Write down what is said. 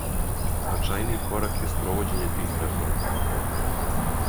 Значајнији корак је спровођење тих реформи.